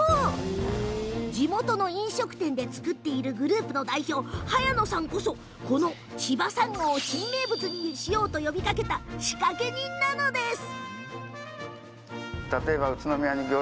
地元の飲食店で作るグループの早野さんこそこの千葉さんがを新名物にしようと呼びかけた仕掛け人です。